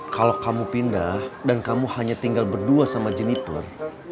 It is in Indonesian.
kalau kamu pindah dan kamu hanya tinggal berdua sama jenniper